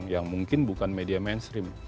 yang mungkin bukan media mainstream